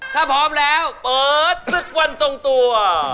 ถ้าพร้อมแล้วเปิดศึกวันทรงตัว